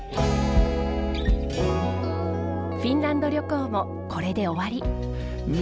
フィンランド旅行もこれで終わり。